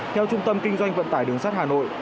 theo trung tâm kinh doanh vận tải đường sắt hà nội